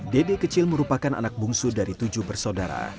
dede kecil merupakan anak bungsu dari tujuh bersaudara